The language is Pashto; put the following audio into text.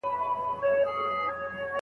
که بدلونونه راسي، نو پیغورونه به ورک سي.